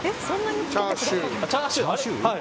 チャーシュー。